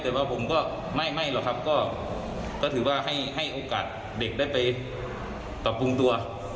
แต่ว่าผมก็ไม่หรอกครับก็ถือว่าให้โอกาสเด็กได้ไปปรับปรุงตัว